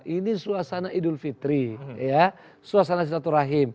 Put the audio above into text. ini suasana idul fitri ya